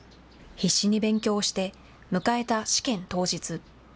必死に勉強して迎えた試験当日。